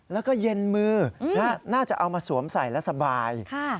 แล้วก็เย็นมือน่าจะเอามาสวมใส่แล้วสบาย